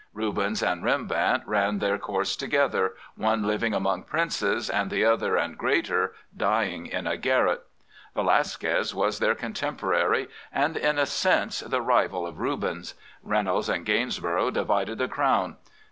Rubens and Rembrandt ran their course together, one living among princes and the other and greater dying in a garret. Velas 37 Prophets, Priests, and Kings quez was their contemporary, and in a sense the rival of Rubens. Reynolds and Gainsborough divided the crown.